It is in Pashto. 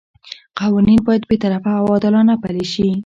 قوانین باید بې طرفه او عادلانه پلي شي.